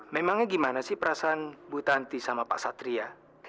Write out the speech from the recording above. memangnya gimana sih perasaan bu tanti sama pak satria